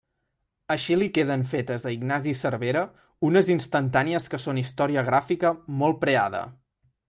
Així li queden fetes a Ignasi Cervera unes instantànies que són història gràfica molt preada.